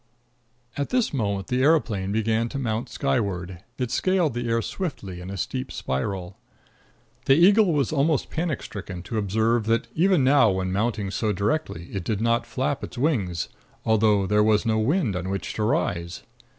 At this moment the aeroplane began to mount skyward. It scaled the air swiftly in a steep spiral. The eagle was almost panic stricken to observe that even now, when mounting so directly, it did not flap its wings, although there was no wind on which to rise.